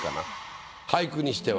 俳句にしては。